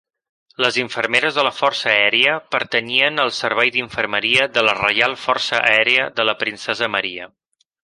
Les infermeres de la Força Aèria pertanyien a el Servei d'Infermeria de la Reial Força Aèria de la Princesa Maria.